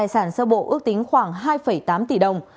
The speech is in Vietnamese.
tài sản sơ bộ ước tính khoảng hai tám tỷ đồng